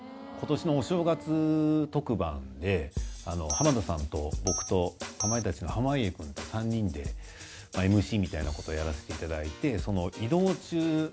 浜田さんと僕とかまいたちの濱家君と３人でＭＣみたいなことやらせていただいて。